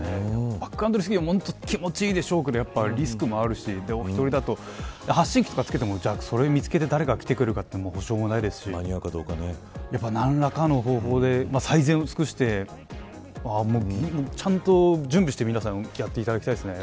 バックカントリースキーは気持ち良いでしょうけどリスクもあるしお１人だと発信器とかつけてもそれを見つけて誰が来てくれるかという保証もないですしやっぱり何らかの方法で最善を尽くしてちゃんと準備して、皆さんやっていただきたいですね。